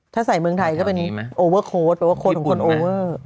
ถ้าใส่เมืองไทยก็เป็นโอเวอร์โค้ดแปลว่าโค้ดของคนโอเวอร์